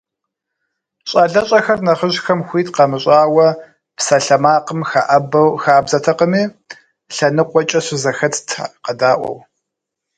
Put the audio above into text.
ЩӀалэщӀэхэр нэхъыжьхэм хуит къамыщӀауэ псалъэмакъым хэӀэбэу хабзэтэкъыми, лъэныкъуэкӀэ щызэхэтт, къэдаӀуэу.